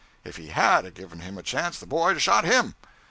If he _had _'a' given him a chance, the boy'd 'a' shot him.